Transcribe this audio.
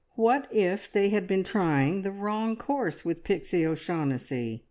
What if they had been trying the wrong course with Pixie O'Shaughnessy?